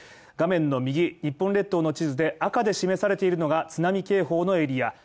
画面の右日本列島の地図で赤で示されているのが、津波警報のエリア